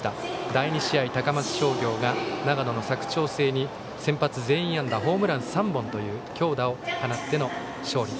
第２試合、高松商業が長野の佐久長聖に先発全員安打ホームラン３本という強打を放っての勝利。